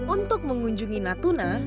untuk mengunjungi natuna